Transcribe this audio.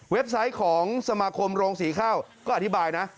แว็บไซต์ของสมคมโรงศรีคร่าวก็อธิบายนะ